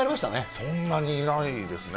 そんなにいないですね。